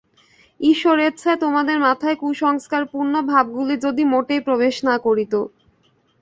ঈশ্বরেচ্ছায় তোমাদের মাথায় কুসংস্কারপূর্ণ ভাবগুলি যদি মোটেই প্রবেশ না করিত।